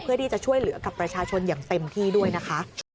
เพื่อที่จะช่วยเหลือกับประชาชนอย่างเต็มที่ด้วยนะคะ